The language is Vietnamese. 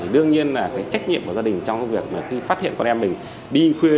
đương nhiên là trách nhiệm của gia đình trong việc khi phát hiện con em mình đi khuya